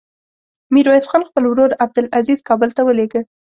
ميرويس خان خپل ورور عبدلعزير کابل ته ولېږه.